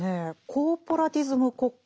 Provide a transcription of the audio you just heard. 「コーポラティズム国家」。